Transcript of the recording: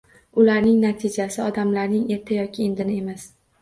Ularning natijasi odamlarning erta yoki indini emas.